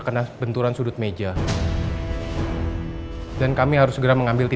kenapa aku jadi ingat mama roh mama ya